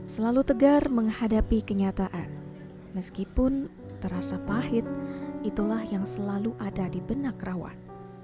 selalu tegar menghadapi kenyataan meskipun terasa pahit itulah yang selalu ada di benak rawan